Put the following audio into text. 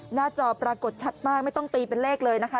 จอปรากฏชัดมากไม่ต้องตีเป็นเลขเลยนะคะ